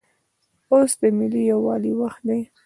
اوس دملي یووالي وخت دی